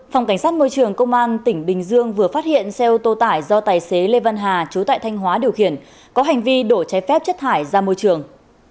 phòng cảnh sát môi trường công an tỉnh bình dương vừa phát hiện xe ô tô tải do tài xế lê văn hà chú tại thanh hóa điều khiển có hành vi đổ chế phép chất thải ra môi trường